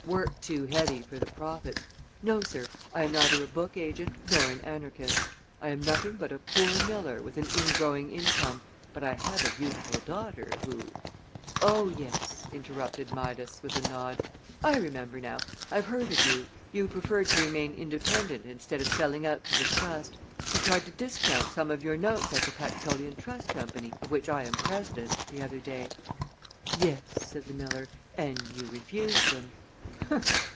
"Work too heavy for the profits. No, sir, I am neither a book agent nor an anarchist. I am nothing but a poor miller with an ingrowing income, but I have a beautiful daughter who " "Oh yes," interrupted Midas, with a nod. "I remember now. I've heard of you. You preferred to remain independent instead of selling out to the Trust. You tried to discount some of your notes at the Pactolean Trust Company, of which I am president, the other day." "Yes," said the miller, "and you refused them."